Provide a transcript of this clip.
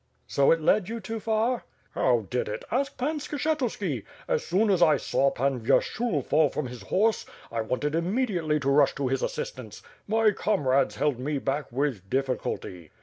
"So it led you too far?" "How did it? Ask Pan Skshetuski. As soon as I saw Pan Vyershul fall from his horse, I wanted immediately to rush to his assistance. My comrades held me back with difficulty."